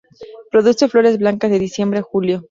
Produce flores blancas de diciembre a julio.